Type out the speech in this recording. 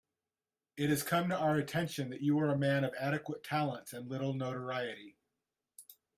It has come to our attention that you are a man of adequate talents and little notoriety.